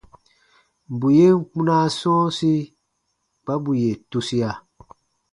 Bù yen kpunaa sɔ̃ɔsi kpa bù yè tusia.